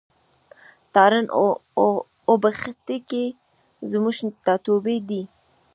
تارڼ اوبښتکۍ زموږ ټاټوبی دی.